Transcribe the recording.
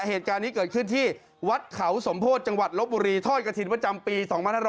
เหตุการณ์นี้เกิดขึ้นที่วัดเขาสมโพธิจังหวัดลบบุรีทอดกระถิ่นประจำปี๒๕๖๐